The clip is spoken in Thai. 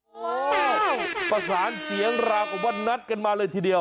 โอ้โหประสานเสียงราวกับว่านัดกันมาเลยทีเดียว